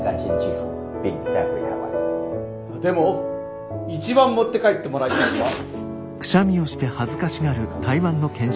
でも一番持って帰ってもらいたいのは。